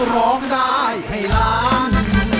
ร้องได้ให้ล้าน